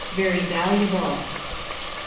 Very valuable. No.